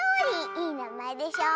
いいなまえでしょ。